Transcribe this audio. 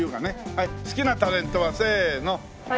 はい好きなタレントは？せーの。